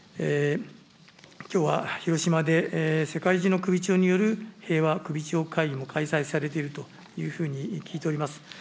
きょうは広島で世界中の首長による平和首長会議も開催されているというふうに聞いております。